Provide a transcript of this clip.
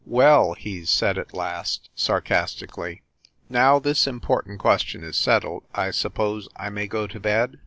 "Well," he said at last, sarcastically, "now this important ques tion is settled, I suppose I may go to bed